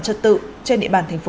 trật tự trên địa bàn thành phố